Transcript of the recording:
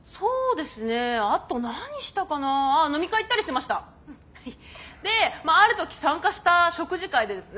である時参加した食事会でですね